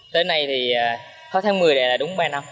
tới nay thì khói tháng một mươi đây là đúng ba năm